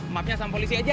maafnya sama polisi aja